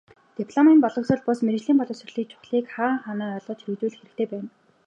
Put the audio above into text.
Дипломын боловсрол бус, мэргэжлийн боловсролыг чухлыг хаа хаанаа ойлгож хэрэгжүүлэх хэрэгтэй байна.